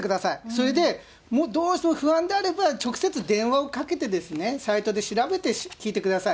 それでもうどうしても不安であれば、直接電話をかけて、サイトで調べて聞いてください。